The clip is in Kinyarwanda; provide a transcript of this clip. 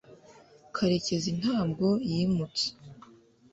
karekezi ntabwo yimutse